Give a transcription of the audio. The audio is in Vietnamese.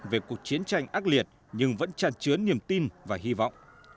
về cuộc chiến tranh ác liệt nhưng vẫn tràn chứa niềm tin và hy vọng